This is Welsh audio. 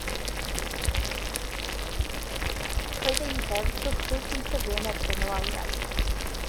Roedd eiddew trwchus yn tyfu yn erbyn y waliau.